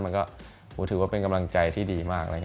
มันก็ถือว่าเป็นกำลังใจที่ดีมาก